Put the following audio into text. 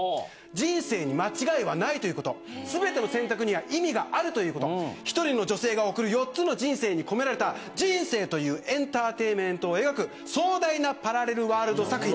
人生に間違いはないということ全ての選択には意味があるということ１人の女性が送る４つの人生に込められた人生というエンターテインメントを描く壮大なパラレルワールド作品。